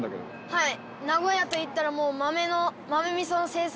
はい。